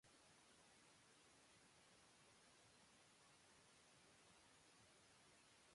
তিনি তার পিতার কাছ থেকে উত্তরাধিকারসূত্রে সম্পদ পেয়েছিলেন।